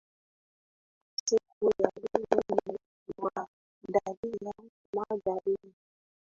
kwa siku ya leo nimekuandalia mada hii